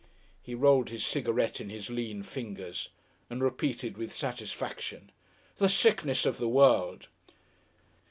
He rolled his cigarette in his lean fingers and repeated with satisfaction: "The Sickness of the World."